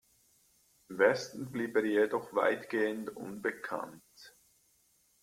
Im Westen blieb er jedoch weitgehend unbekannt.